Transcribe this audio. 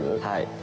はい。